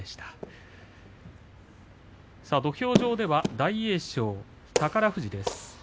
土俵上では大栄翔、宝富士です。